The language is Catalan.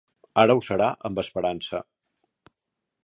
Ara ho serà amb esperança.